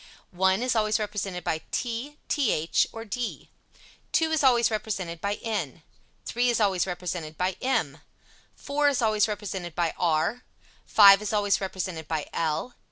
1 is always represented by t, th or d. 2 is always represented by n. 3 is always represented by m. 4 is always represented by r. 5 is always represented by l.